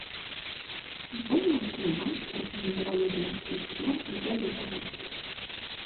Футбольным клубам рэкамендавалі знайсці сцюардаў да лютага.